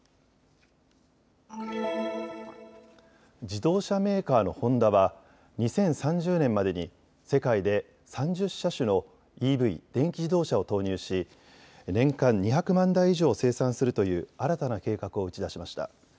自動車メーカーのホンダは２０３０年までに世界で３０車種のＥＶ・電気自動車を投入し年間２００万台以上を生産するという新たな計画を打ち出しました。